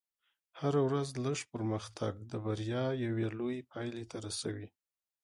هره ورځ لږ پرمختګ د بریا یوې لوېې پایلې ته رسوي.